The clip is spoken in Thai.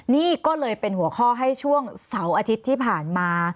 นี่ก็เลยเป็นหัวข้อให้ช่วงเสาร์อาทิตย์ที่ผ่านมา